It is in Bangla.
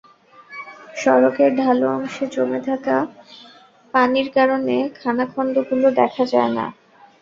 সড়কের ঢালু অংশে জমে থাকা পানির কারণে খানাখন্দগুলো দেখা যায় না।